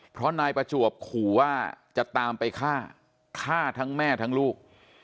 เพราะนายประจวบขู่ว่าจะตามไปฆ่าฆ่าทั้งแม่ทั้งลูก